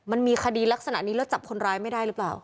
มันมีคดีลักษณะนี้แล้วจับคนร้ายไม่ได้หรือเปล่า